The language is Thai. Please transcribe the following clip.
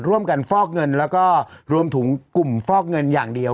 ร่วมกันฟอกเงินรวมถูกกลุ่มฟอกเงินอย่างเดียว